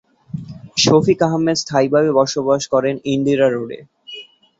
শফিক আহমেদ স্থায়ীভাবে বসবাস করেন ইন্দিরা রোডে।